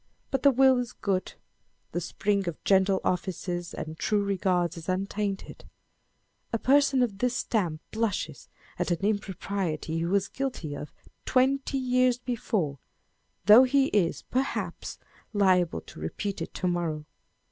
But the will is good. The spring of gentle offices and true regards is untainted. A person of this stamp blushes at an impropriety he was guilty of twenty years before, though he is, perhaps, liable to repeat it to morrow.